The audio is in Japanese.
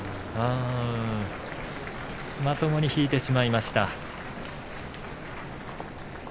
まともに引いてしまいました。